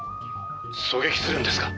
「狙撃するんですか？」